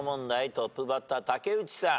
トップバッター竹内さん。